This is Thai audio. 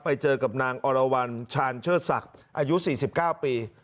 ไปเจอกับนางอรวรรณชาญเชิดศักดิ์อายุ๔๙ปี